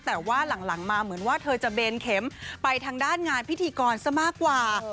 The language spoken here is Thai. แต่ว่าหลังมาเหมือนว่าเธอจะเบนเข็มไปทางด้านงานพิธีกรซะมากกว่า